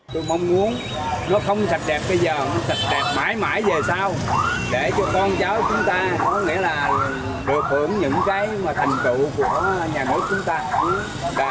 tôi mong muốn nó không sạch đẹp bây giờ nó thật đẹp mãi mãi về sau để cho con cháu chúng ta có nghĩa là được hưởng những cái thành tựu của nhà mỗi chúng ta